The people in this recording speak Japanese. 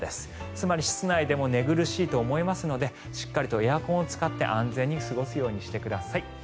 つまり室内でも寝苦しいと思いますのでしっかりとエアコンを使って安全に過ごすようにしてください。